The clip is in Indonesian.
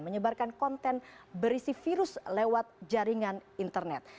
menyebarkan konten berisi virus lewat jaringan internet